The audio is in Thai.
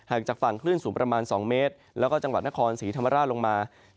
ห่างจากฝั่งขลื่นสูงประมาณ๒เมตรและก็จังหวัดนครสหิธรรมราชตั้งจากรบอยง